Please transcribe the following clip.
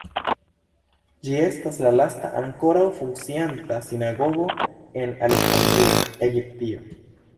Ĝi estas la lasta ankoraŭ funkcianta sinagogo en Aleksandrio, Egiptio.